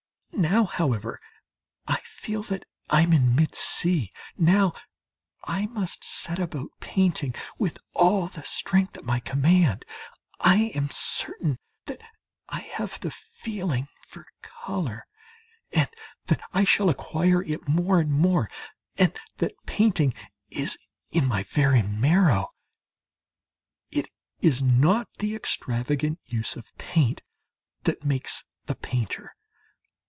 Now, however, I feel that I am in mid sea now I must set about painting with all the strength at my command. ...I am certain that I have the feeling for colour, that I shall acquire it more and more, and that painting is in my very marrow. It is not the extravagant use of paint that makes the painter.